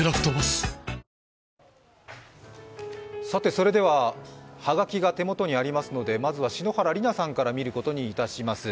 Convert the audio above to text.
それでは、葉書が手元にありますので、まずは篠原梨菜さんから見ることにいたします。